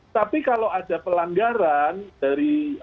tapi kalau ada pelanggaran itu bisa diadukan lagi ke laps